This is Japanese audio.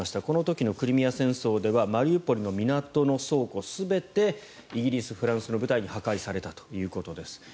この時のクリミア戦争ではマリウポリの港の倉庫が全てイギリス、フランスの部隊に破壊されたということです。